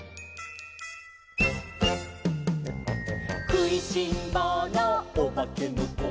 「くいしんぼうのおばけのこ」